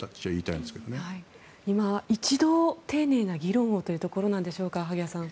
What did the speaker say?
いま一度丁寧な議論をというところなんでしょうか。